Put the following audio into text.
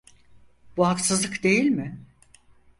Bu haksızlık değil mi?